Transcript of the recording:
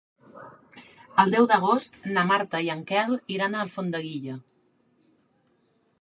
El deu d'agost na Marta i en Quel iran a Alfondeguilla.